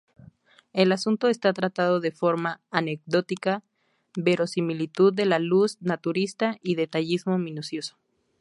El asunto está tratado de forma anecdótica, verosimilitud de la luz naturalista, y detallismo minucioso.